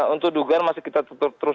untuk dugaan masih kita tutup terus